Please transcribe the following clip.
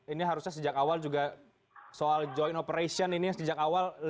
ini harusnya sejak awal juga soal joint operation ini sejak awal